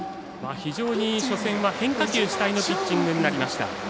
非常に初戦は変化球主体のピッチングになりました。